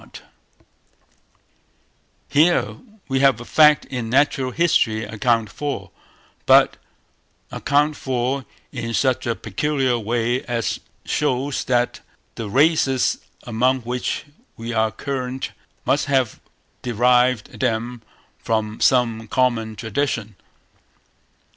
Here we have a fact in natural history accounted for, but accounted for in such a peculiar way as shows that the races among which they are current must have derived them from some common tradition.